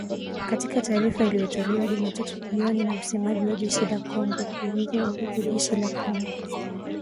Katika taarifa iliyotolewa Jumatatu jioni na msemaji wa jeshi la kongo Brigedia Ekenge, jeshi la kongo